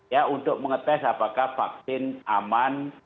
ya untuk mengetes apakah vaksin aman